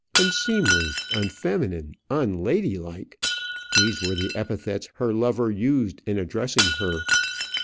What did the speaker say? Unseemly, unfeminine, unladylike! These were the epithets her lover used in addressing her.